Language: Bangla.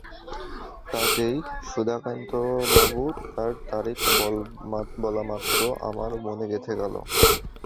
কাজেই সুধাকান্তবাবু বার তারিখ বলমাত্র আমার মনে গেঁথে গেল।